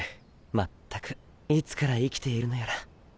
まったくいつから生きているのやら。